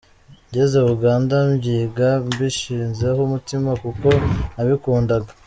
Ngeze Uganda mbyiga mbishizeho umutima kuko nabikundaga.